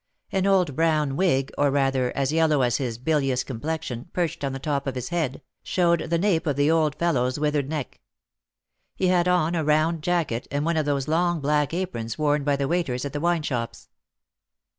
An old brown wig, or, rather, as yellow as his bilious complexion, perched on the top of his head, showed the nape of the old fellow's withered neck. He had on a round jacket, and one of those long black aprons worn by the waiters at the wine shops.